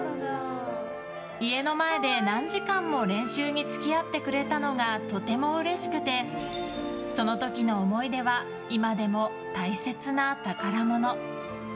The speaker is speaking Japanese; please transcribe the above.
家の前で、何時間も練習に付き合ってくれたのがとてもうれしくてその時の思い出は今でも大切な宝物。